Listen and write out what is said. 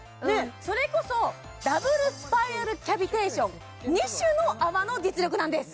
それこそダブルスパイラルキャビテーション２種の泡の実力なんです